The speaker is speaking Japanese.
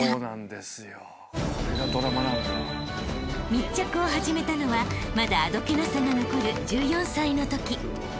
［密着を始めたのはまだあどけなさが残る１４歳のとき］